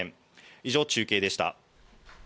以上、中継でした。